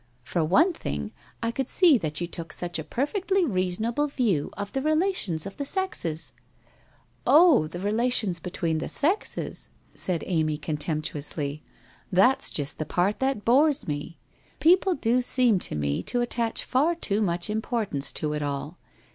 For one thing, I could see that you took such a perfectly reasonable view of the re lations of the sexes. 5 ' Oh, the relations between the sexes 1' said Amy con temptuously. "That's just the part that bores me. People do seem to me to attach far too much importance to it all.